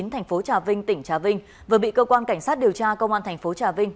thành phố trà vinh tỉnh trà vinh vừa bị cơ quan cảnh sát điều tra công an thành phố trà vinh